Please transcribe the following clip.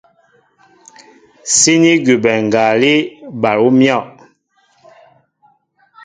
Síní gúbɛ ngalí bal ú myɔ̂.